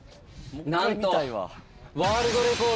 なんと。